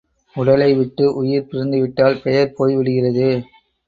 உடலை விட்டு உயிர் பிரிந்துவிட்டால் பெயர் போய்விடுகிறது.